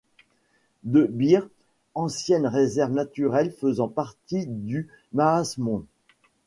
De Beer, ancienne réserve naturelle faisant partie du Maasmond.